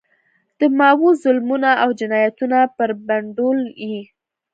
د ماوو ظلمونه او جنایتونه بربنډول یې.